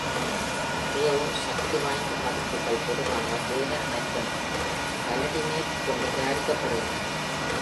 மிகவும் சக்திவாய்ந்த பதிப்புகள் பொதுவாக பேடன் மற்றும் பலடினேட் கொண்டு தயாரிக்கப்படுகின்றன.